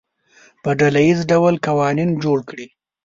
په ډله ییز ډول قوانین جوړ کړي.